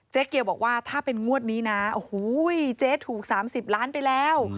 เกียวบอกว่าถ้าเป็นงวดนี้นะโอ้โหเจ๊ถูก๓๐ล้านไปแล้ว